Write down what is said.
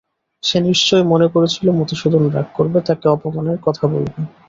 সে নিশ্চয় মনে করেছিল মধুসূদন রাগ করবে, তাকে অপমানের কথা বলবে।